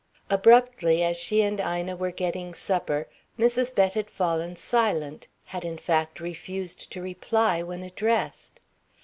Abruptly as she and Ina were getting supper, Mrs. Bett had fallen silent, had in fact refused to reply when addressed.